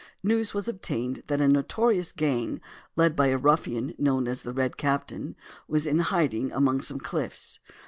News was obtained that a notorious gang, led by a ruffian known as the Red Captain, was in hiding among some cliffs.